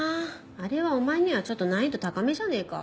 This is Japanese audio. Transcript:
あれはお前にはちょっと難易度高めじゃねぇか？